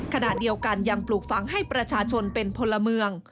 ขณะเดียวกันยังปลูกฝังให้ประชาชนเป็นพลเมือง